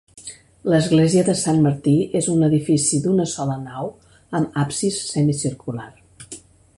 L'església de Sant Martí és un edifici d'una sola nau amb absis semicircular.